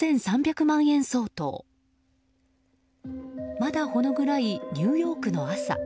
まだほの暗いニューヨークの朝。